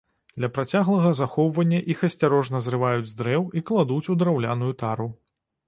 Для працяглага захоўвання іх асцярожна зрываюць з дрэў і кладуць у драўляную тару.